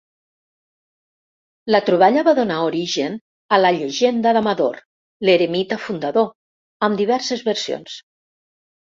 La troballa va donar origen a la llegenda d'Amador, l'eremita fundador, amb diverses versions.